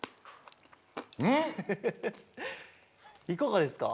いかがですか？